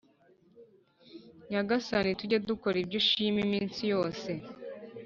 Nyagasani tujye dukora ibyo ushima iminsi yos